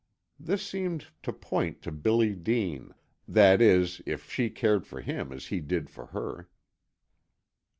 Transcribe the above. This seemed to point to Billy Dean, that is, if she cared for him as he did for her.